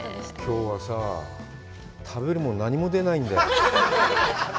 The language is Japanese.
きょうはさぁ、食べるもの何も出ないんだよ。